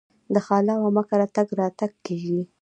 د خاله او عمه کره تګ راتګ کیږي.